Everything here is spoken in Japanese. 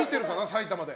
埼玉で。